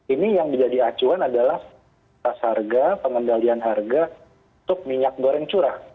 ini yang menjadi acuan adalah tas harga pengendalian harga untuk minyak goreng curah